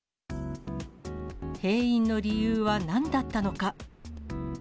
閉院の理由はなんだったのか。